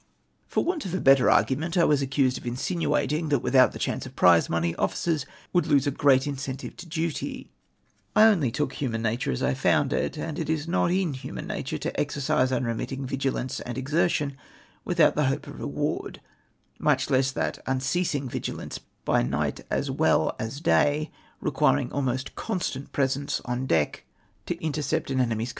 " For want of better argument, I was accused of in sinuating that without the chance of prize money officers would lose a great incentive to duty: I only toolv human nature as I found it, and it is not ui liiiman nature to exercise unremitting; vio ilauce and exertion without the hope of reward ; much less that unceasing vigilance, by night as well as day, reqimdng almost constant presence on deck to intercept an enemy's MOTION RELATIVE TO THE MALTESE COURT.